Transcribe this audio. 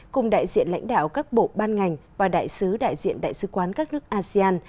cùng đại diện lãnh đạo các bộ ban ngành và đại sứ đại diện đại sứ quán các nước asean